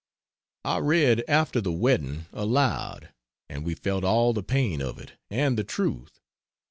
I read "After the Wedding" aloud and we felt all the pain of it and the truth.